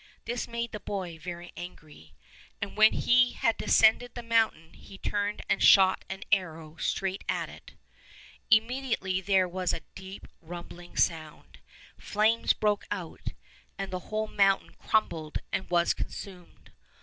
This made the boy very angry, and when he had descended the mountain he turned and shot an arrow straight at it. Immedi ately there was a deep rumbling sound, flames broke out, and the whole mountain crumbled and was consumed.